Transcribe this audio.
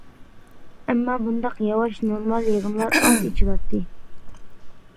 ئەمما بۇنداق ياۋاش، نورمال يىغىنلار ئاز ئېچىلاتتى.